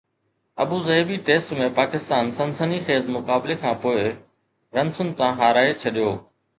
Abu Dhabi test ۾ Pakistan سنسني خیز مقابلي کانپوءِ رنسن تان هارائي ڇڏيو